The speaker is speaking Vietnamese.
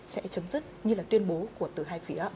sẽ chấm dứt như là tuyên bố của từ hai phía